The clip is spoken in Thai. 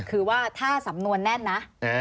คือว่าถ้าสำนวนแน่นนะ